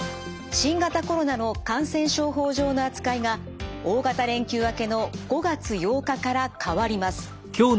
新型コロナの感染症法上の扱いが大型連休明けの５月８日から変わります。